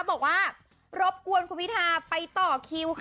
บอกว่ารบกวนคุณพิทาไปต่อคิวค่ะ